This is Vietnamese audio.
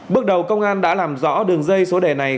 bước đầu công an đã làm rõ đường dây số đề này